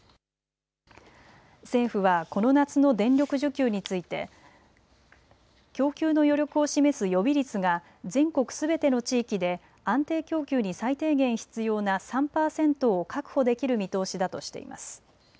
政府はこの夏の電力需給について供給の余力を示す予備率が全国すべての地域で安定供給に最低限必要な３％を確保できる見通しだとしています。